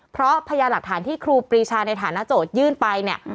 เพราะพยานหลักฐานที่ครูปรีชาในฐานะโจทยื่นไปเนี่ย